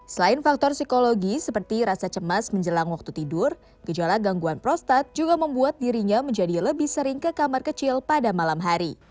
selain faktor psikologi seperti rasa cemas menjelang waktu tidur gejala gangguan prostat juga membuat dirinya menjadi lebih sering ke kamar kecil pada malam hari